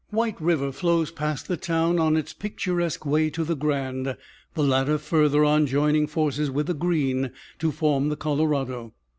White River flows past the town on its picturesque way to the Grand, the latter further on joining forces with the Green to form the Colorado.